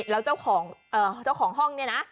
แล้วเจ้าของห้องนี้นะ